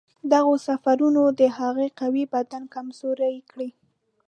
دغو سفرونو د هغه قوي بدن کمزوری کړ.